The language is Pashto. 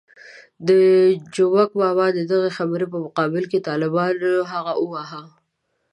د جومک ماما د دغې خبرې په مقابل کې طالبانو هغه وواهه.